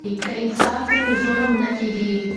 که انصاف وي نو ظلم نه کیږي.